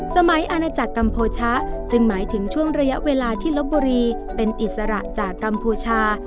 อาณาจักรกัมโภชะจึงหมายถึงช่วงระยะเวลาที่ลบบุรีเป็นอิสระจากกัมพูชา